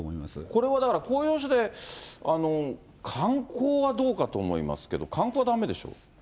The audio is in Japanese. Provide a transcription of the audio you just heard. これはだから、公用車で観光はどうかと思いますけど、観光はだめでしょう。